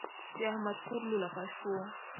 د احمد کور لولپه شو.